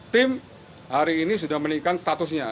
tim hari ini sudah menaikkan statusnya